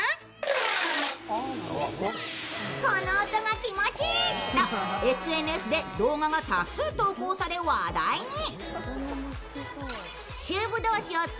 この音が気持ちいいとＳＮＳで動画が多数投稿され話題に。